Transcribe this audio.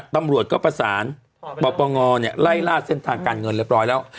ตำรวจก็ประสานบอกประงอไล่ลาเส้นทางการเงินแล้วปล่อยแล้ว